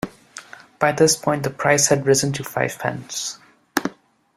By this point, the price had risen to five pence.